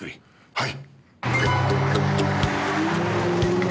はい！